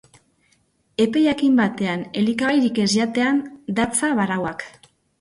Epe jakin batean, elikagairik ez jatean datza barauak.